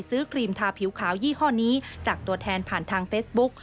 ครีมทาผิวขาวยี่ห้อนี้จากตัวแทนผ่านทางเฟซบุ๊ก